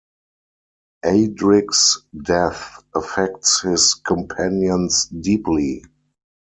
Adric's death affects his companions deeply.